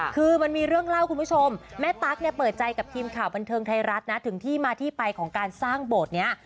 คือมันมีเรื่องเล่าคุณผู้ชมแม่ตั๊กเนี่ยเปิดใจกับทีมข่าวบันเทิงไทยรัฐนะถึงที่มาที่ไปของการสร้างโบสถ์นี้